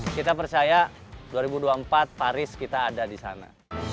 kita percaya dua ribu dua puluh empat paris kita ada di sana